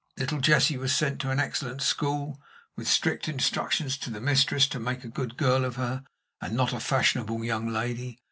Little Jessie was sent to an excellent school, with strict instructions to the mistress to make a good girl of her, and not a fashionable young lady.